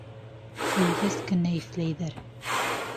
Үлгәс кенә иҫләйҙәр.